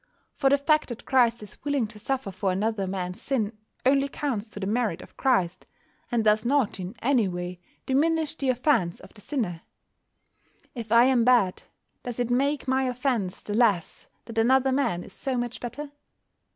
For the fact that Christ is willing to suffer for another man's sin only counts to the merit of Christ, and does not in any way diminish the offence of the sinner. If I am bad, does it make my offence the less that another man is so much better?